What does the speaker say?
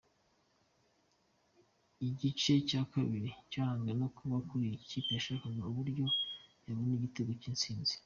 Igice cya kabiri cyaranzwe no kuba buri kipe yashakaga uburyo yabona igitego cy’intsinzi.